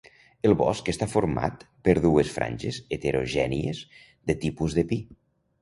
El bosc està format per dues franges heterogènies de tipus de pi.